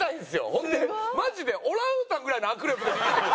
ほんでマジでオランウータンぐらいの握力で握ってくる。